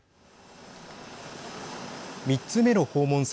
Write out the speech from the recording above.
３つ目の訪問先